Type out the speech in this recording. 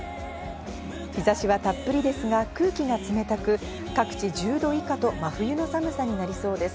日差しはたっぷりですが、空気が冷たく各地１０度以下と真冬の寒さになりそうです。